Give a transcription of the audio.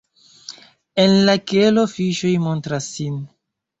En la kelo fiŝoj montras sin.